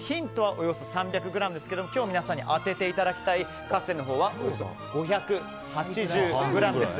およそ３００ｇですが今日、皆さんに当てていただきたいカスレのほうはおよそ５８０ｇです。